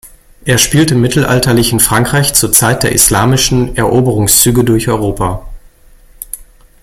Er spielt im mittelalterlichen Frankreich zur Zeit der islamischen Eroberungszüge durch Europa.